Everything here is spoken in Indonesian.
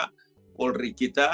dan juga polri kita